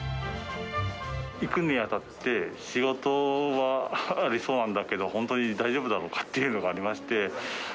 行くにあたって、仕事はありそうなんだけど、本当に大丈夫だろうかっていうのがありまして。